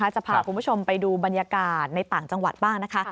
จะพาคุณผู้ชมไปดูบรรยากาศในต่างจังหวัดบ้างนะคะ